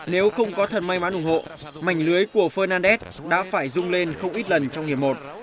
nếu không có thật may mắn ủng hộ mảnh lưới của phernadesh đã phải rung lên không ít lần trong hiệp một